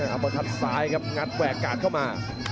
เอามาขัดซ้ายแล้วกลัดเข้าหมา